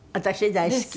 大好き。